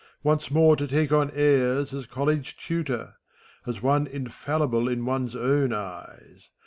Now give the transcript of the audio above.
Once more to take on airs as college tutor. As one infallible in one's own eyes.